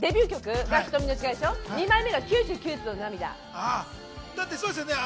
２枚目が『９９粒の涙』。